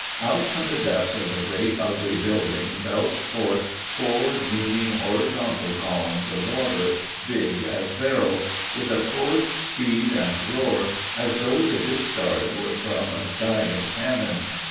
Out from the depths of the great ugly building belch forth four gleaming, horizontal columns of water, big as barrels, with a force, speed, and roar as though the discharge were from giant cannon.